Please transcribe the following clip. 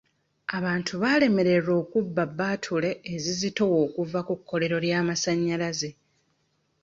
Abantu baalemererwa okubba bbaatule ezizitowa okuva ku kkolero ly'amasanyalaze.